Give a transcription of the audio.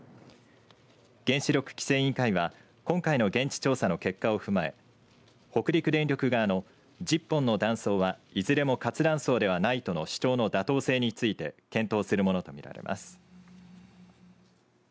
原子力規制委員会は今回の現地調査の結果を踏まえ北陸電力側の１０本の断層はいずれも活断層ではないとの主張の妥当性について検討するものとみられます。